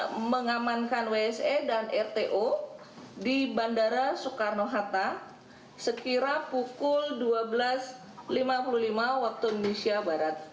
kpk kemudian mengamankan wsa dan rto di bandara soekarno hatta sekira pukul dua belas lima puluh lima wib